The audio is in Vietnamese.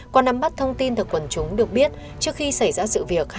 qua nắm bắt thông tin từ quần chúng được biết trước khi xảy ra sự việc